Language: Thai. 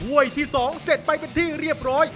้วยที่๒เสร็จไปเป็นที่เรียบร้อย